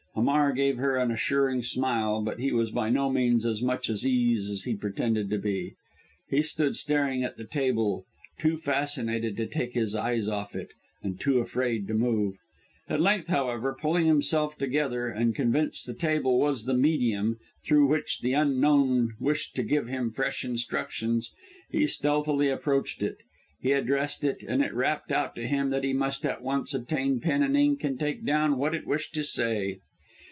Hamar gave her an assuring smile, but he was by no means as much at ease as he pretended to be. He stood staring at the table, too fascinated to take his eyes off it, and too afraid to move. At length, however, pulling himself together, and convinced the table was the medium, through which the Unknown wished to give him fresh instructions, he stealthily approached it. He addressed it, and it rapped out to him that he must at once obtain pen and ink and take down what it wished to say.